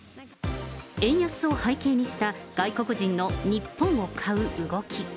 円安を背景にした外国人の日本を買う動き。